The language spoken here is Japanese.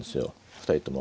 ２人とも。